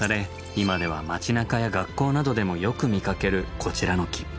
今では街なかや学校などでもよく見かけるこちらの木。